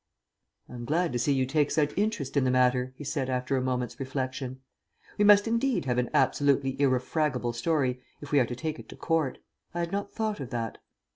"I am glad to see you take such interest in the matter," he said after a moment's reflection. "We must indeed have an absolutely irrefragable story if we are to take it to court. I had not thought of that.